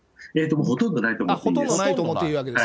もうほとんどないと思います。